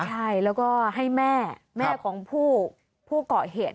ใช่แล้วก็ให้แม่แม่ของผู้เกาะเหตุ